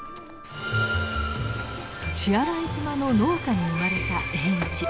血洗島の農家に生まれた栄一。